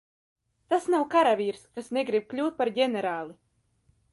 Tas nav karavīrs, kas negrib kļūt par ģenerāli.